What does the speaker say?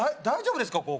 大丈夫ですよ